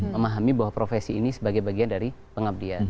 memahami bahwa profesi ini sebagai bagian dari pengabdian